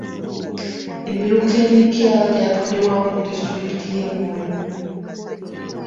Emiruka emipya gyatondeddwawo mu disitulikiti y'e Moyo.